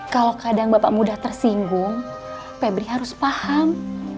kalau kadang bapak mudah tersinggung pebri harus paham